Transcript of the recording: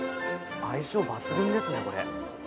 相性抜群ですね、これ。